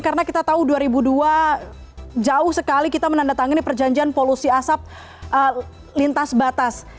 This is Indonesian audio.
karena kita tahu dua ribu dua jauh sekali kita menandatangani perjanjian polusi asap lintas batas